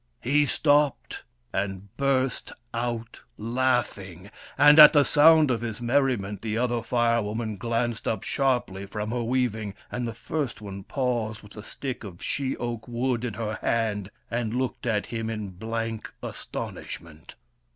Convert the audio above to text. He stopped, and burst out laughing, and at the sound of his merriment the other Fire Woman glanced up sharply from her weaving, and the first one paused, with a stick of she oak wood in her hand, and looked at him in blank astonishment.